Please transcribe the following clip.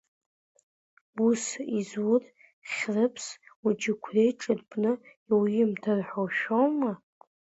Ус изуур, Хьрыԥс уџьықәреи ҿырпны иуимҭар ҳәа ушәоу?